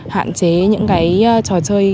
hạn chế những cái trò chơi